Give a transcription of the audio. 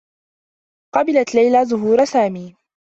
قبلت ليلى زهور سامي.